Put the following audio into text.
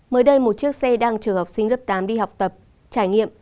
mới đây một chiếc xe đang chờ học sinh lớp tám đi học tập trải nghiệm